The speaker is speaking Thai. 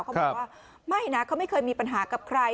เขาบอกว่าไม่นะเขาไม่เคยมีปัญหากับใคร